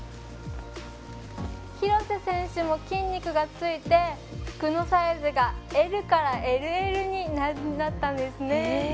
廣瀬選手も筋肉がついて服のサイズがＬからＬＬになったんですね。